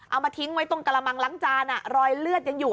เอามาทิ้งไว้ตรงกระมังล้างจานรอยเลือดยังอยู่